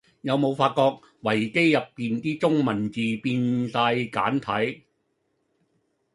有無發覺維基入面啲中文字變哂簡體?